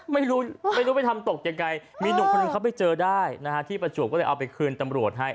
ไม่รู้ไม่รู้ไปทำตกยังไงมีหนุ่มคนหนึ่งเขาไปเจอได้นะฮะที่ประจวบก็เลยเอาไปคืนตำรวจให้